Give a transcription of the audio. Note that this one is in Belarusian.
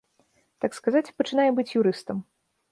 Так сказаць, пачынае быць юрыстам.